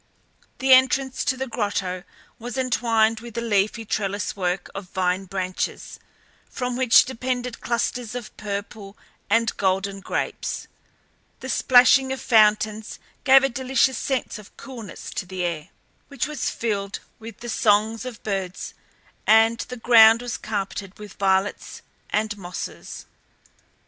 The entrance to the grotto was entwined with a leafy trellis work of vine branches, from which depended clusters of purple and golden grapes; the plashing of fountains gave a delicious sense of coolness to the air, which was filled with the songs of birds, and the ground was carpeted with violets and mosses.